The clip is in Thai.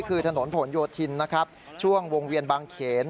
คือถนนโผนโยธินช่วงวงเวียนบางเขน